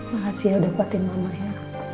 makasih ya udah kuatin mama ya